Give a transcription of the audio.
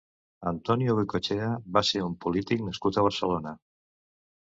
Antonio Goicoechea va ser un polític nascut a Barcelona.